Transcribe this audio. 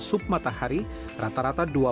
sup matahari rata rata